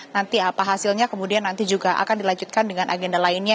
nanti apa hasilnya kemudian nanti juga akan dilanjutkan dengan agenda lainnya